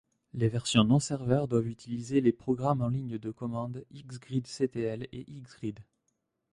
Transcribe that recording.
Les versions non-serveurs doivent utiliser les programmes en ligne de commande xgridctl et xgrid.